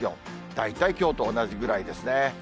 大体きょうと同じぐらいですね。